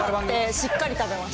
しっかり食べました。